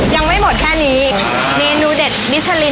ยังไม่หมดแค่นี้